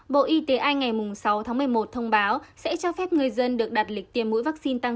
bộ y tế anh ngày sáu tháng một mươi một thông báo sẽ cho phép người dân được đặt lịch tiêm mũi vaccine tăng